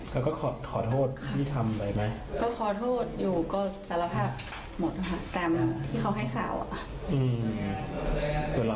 ก็คือต่างคนต่างทำหน้าที่ไปละกันเนอะ